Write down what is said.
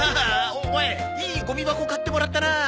オマエいいゴミ箱買ってもらったなあ。